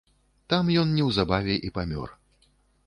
Там ён неўзабаве і памер.